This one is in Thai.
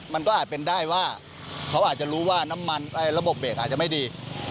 มันก็อาจเป็นได้ว่าเขาอาจจะรู้ว่าน้ำมันระบบเบรกอาจจะไม่ดี